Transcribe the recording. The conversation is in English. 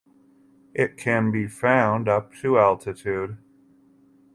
It can be found up to altitude.